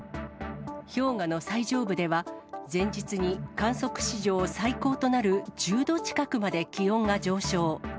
氷河の最上部では、前日に観測史上最高となる１０度近くまで気温が上昇。